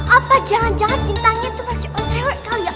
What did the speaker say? apa jangan jangan bintangnya itu pasti on fire kali ya